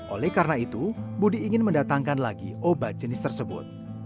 oleh karena itu budi ingin mendatangkan lagi obat jenis tersebut